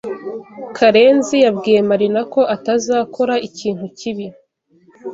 Karenzi yabwiye Marina ko atazakora ikintu kibi.